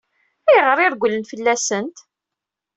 Ayɣer i regglen fell-asent?